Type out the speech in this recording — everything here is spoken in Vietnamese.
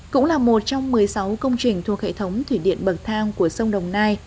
cũng là một trong một mươi sáu công trình thuộc hệ thống thủy điện bậc thang của sông đồng nai